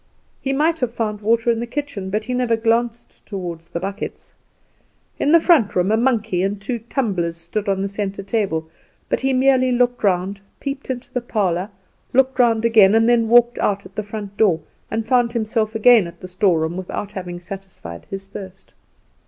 He might have found water in the kitchen, but he never glanced toward the buckets. In the front room a monkey and two tumblers stood on the centre table; but he merely looked round, peeped into the parlour, looked round again, and then walked out at the front door, and found himself again at the storeroom without having satisfied his thirst.